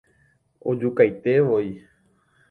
Ojukaitevoi.